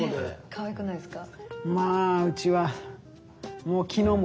かわいくないですか？